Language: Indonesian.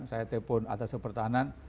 saya telepon atas sepertahanan